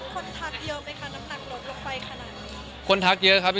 คนทักเยอะไหมคะน้ำหนักลดลงไปขนาดนี้